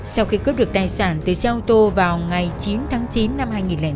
sau khi cướp được tài sản từ xe ô tô vào ngày chín tháng chín năm hai nghìn ba